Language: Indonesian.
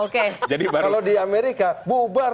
kalau di amerika bubar